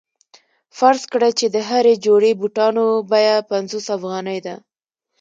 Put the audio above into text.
فرض کړئ چې د هرې جوړې بوټانو بیه پنځوس افغانۍ ده